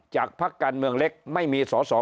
พักการเมืองเล็กไม่มีสอสอ